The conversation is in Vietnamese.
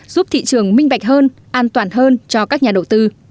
giúp thị trường minh bạch hơn an toàn hơn cho các nhà đầu tư